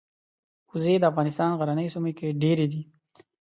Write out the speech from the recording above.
وزې د افغانستان غرنیو سیمو کې ډېرې دي